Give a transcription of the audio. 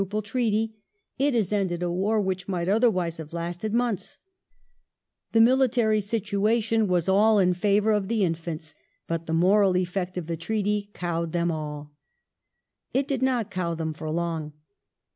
152 THE FOREIGN POLICY OF LORD PALMERSTON [1830 Treaty ; it has ended a war which might otherwise have lasted months/' The military situation was all in favour of the Infants, *' but the moral effect of the treaty cowed them all ".^ It did not cow them for long.